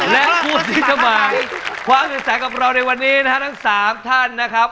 และกูซิตำาความเหตุสรรคับเราในวันนี้นะครับทั้ง๓ท่านนะครับ